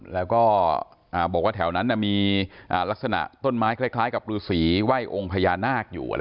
แล้วก็บอกว่าแถวนั้นมีลักษณะต้นไม้คล้ายกับฤษีไหว้องค์พญานาคอยู่